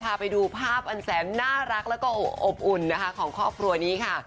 พาไปดูภาพอันแสนน่ารักแล้วก็อบอุ่นนะคะของครอบครัวนี้ค่ะ